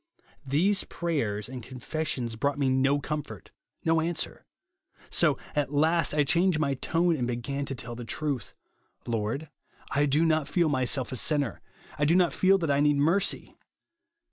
These prayers and con fessions broug ht irje no comfort, no answer ; so at last I changed my tone, and began to tell the truth —■ Lord, I do not feel myself a sinner ; I do not feel that I need mercy.